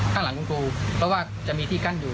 ข้างหลังคุณครูเพราะว่าจะมีที่กั้นอยู่